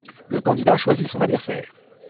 Le candidat choisit son adversaire.